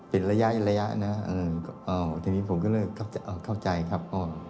เป็นระยะระยะนะทีนี้ผมก็เลยเข้าใจครับ